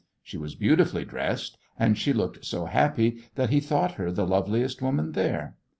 She was beautifully dressed, and she looked so happy that he thought her the loveliest woman there.